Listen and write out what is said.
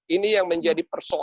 ini yang menjadi persoalan